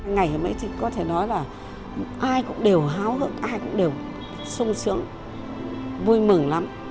ngày hôm ấy thì có thể nói là ai cũng đều háo hức ai cũng đều sung sướng vui mừng lắm